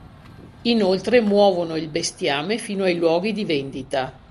Inoltre muovono il bestiame fino ai luoghi di vendita.